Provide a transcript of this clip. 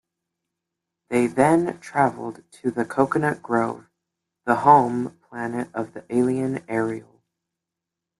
They then traveled to the "Coconut Grove", the home planet of the alien Ariel.